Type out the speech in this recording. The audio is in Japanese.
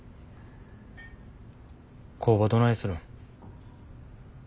工場どないするん。